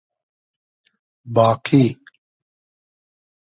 باقی